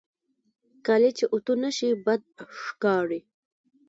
کالي چې اوتو نهشي، بد ښکاري.